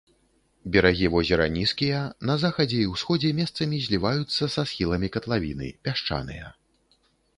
Берагі возера нізкія, на захадзе і ўсходзе месцамі зліваюцца са схіламі катлавіны, пясчаныя.